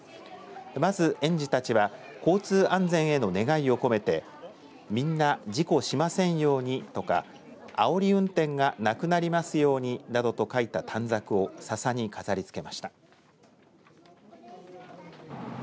まず、園児たちは交通安全への願いを込めてみんな事故しませんようにとかあおり運転がなくなりますようになどと書いた短冊をササに飾りつけました。